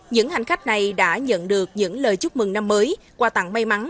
những hành khách này đã nhận được những lời chúc mừng năm mới qua tặng may mắn